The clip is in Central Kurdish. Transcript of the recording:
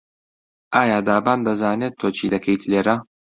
ئایا دابان دەزانێت تۆ چی دەکەیت لێرە؟